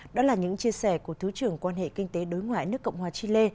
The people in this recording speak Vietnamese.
đó là những chia sẻ của thứ trưởng quan hệ kinh tế đối ngoại nước cộng hòa chile